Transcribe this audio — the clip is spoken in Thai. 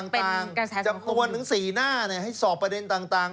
ในประเด็นต่างจับตัวหนึ่งสี่หน้าให้สอบประเด็นต่าง